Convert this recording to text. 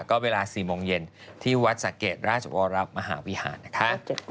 ก็เวลา๔โมงเย็นที่วัดสะเกดราชวรมหาวิหารนะคะ